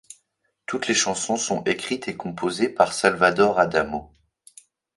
Toutes les chansons sont écrites et composées par Salvatore Adamo.